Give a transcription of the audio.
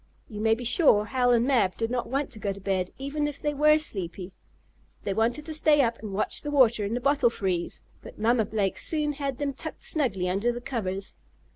You may be sure Hal and Mab did not want to go to bed, even if they were sleepy. They wanted to stay up and watch the water in the bottle freeze. But Mamma Blake soon had them tucked snugly under the covers.